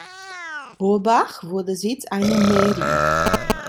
Burbach wurde Sitz einer Mairie.